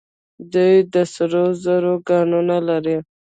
دوی د سرو زرو کانونه لري.